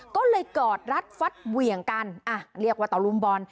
ก็เลยกอดรัดฟัดเหวี่ยงกันเรียกว่าตะลุมบอล